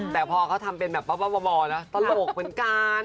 แต่พอเขาทำเป็นแบบว่าตลกเหมือนกัน